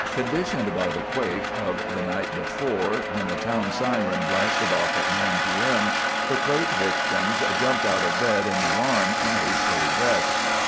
Conditioned by the quake of the night before, when the town siren blasted off at 9:00 P. M. the quake victims jumped out of bed in alarm and hastily dressed.